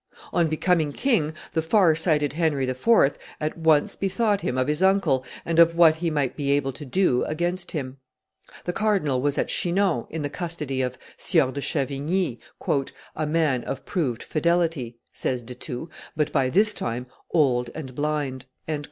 On becoming king, the far sighted Henry IV. at once bethought him of his uncle and of what he might be able to do against him. The cardinal was at Chinon, in the custody of Sieur de Chavigny, "a man of proved fidelity," says De Thou, "but by this time old and blind."